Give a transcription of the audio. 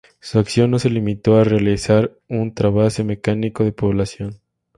Su acción no se limitó a realizar un trasvase mecánico de población.